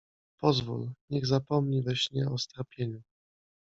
Pozwól, niech zapomni we śnie o strapieniu.